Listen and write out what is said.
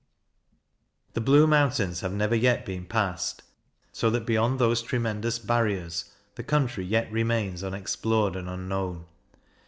The Blue Mountains have never yet been passed, so that beyond those tremendous barriers, the country yet remains unexplored and unknown.